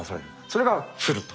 それが降ると。